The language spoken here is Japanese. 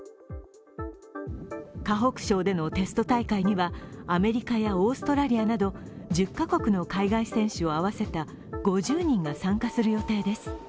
河北省でのテスト大会にはアメリカやオーストラリアなど１０カ国の海外選手を合わせた５０人が参加する予定です。